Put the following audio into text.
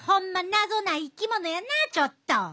謎な生き物やなちょっと！